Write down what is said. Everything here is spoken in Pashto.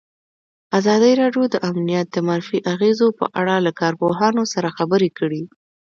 ازادي راډیو د امنیت د منفي اغېزو په اړه له کارپوهانو سره خبرې کړي.